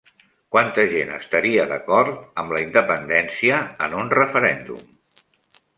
Quanta gent estaria d'acord amb la independència en un referèndum?